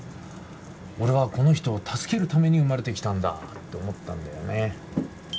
俺はこの人を助けるために生まれてきたんだて思ったんだよね